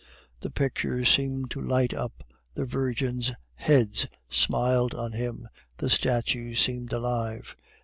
The pictures seemed to light up, the Virgin's heads smiled on him, the statues seemed alive.